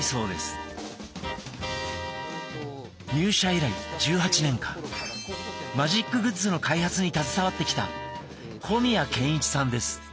入社以来１８年間マジックグッズの開発に携わってきた小宮賢一さんです。